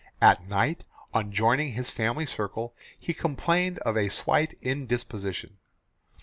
At night, on joining his family circle, he complained of a slight indisposition.